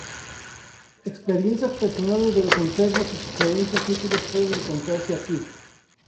Experiencias personales de los enfermos y sugerencias útiles pueden encontrarse aquí